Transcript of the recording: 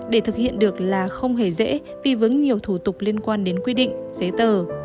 dễ dễ vì vững nhiều thủ tục liên quan đến quy định giấy tờ